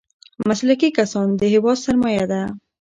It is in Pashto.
مسلکي کسان د هېواد سرمايه ده.